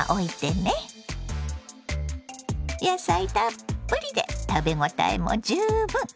野菜たっぷりで食べ応えも十分。